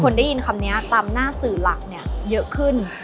ได้ยินคำนี้ตามหน้าสื่อหลักเนี่ยเยอะขึ้น